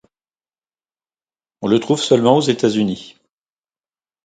On le trouve seulement aux États-Unis.